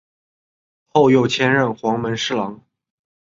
后又迁任黄门侍郎。